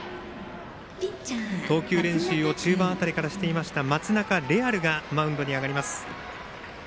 投球練習を中盤辺りからしていました松中怜或がマウンドに上がります。